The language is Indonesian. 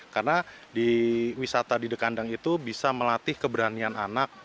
karena di wisata di dekandang itu bisa melatih keberanian anak